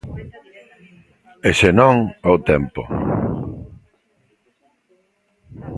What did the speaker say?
E se non, ao tempo.